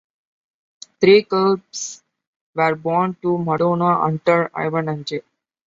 Three cubs were born to Madonna; Hunter, Ivan, and Jay.